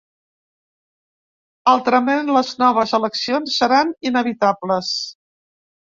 Altrament, les noves eleccions seran inevitables.